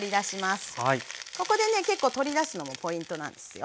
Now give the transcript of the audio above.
ここでね結構取り出すのもポイントなんですよ。